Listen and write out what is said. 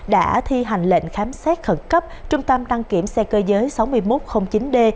đã thi hành lệnh khám xét khẩn cấp trung tâm đăng kiểm xe cơ giới sáu nghìn một trăm linh chín d